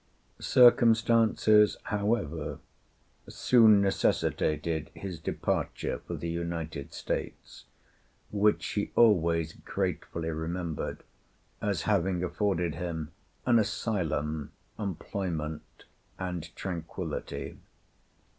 Circumstances, however, soon necessitated his departure for the United States, which he always gratefully remembered as having afforded him "an asylum, employment, and tranquillity."